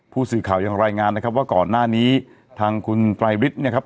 ผู้สื่อข่าวยังรายงานนะครับว่าก่อนหน้านี้ทางคุณไตรฤทธิ์เนี่ยครับ